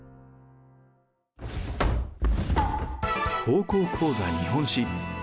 「高校講座日本史」。